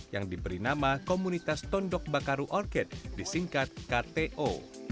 yang diberi nama komunitas tondok bakaru orket disingkat kto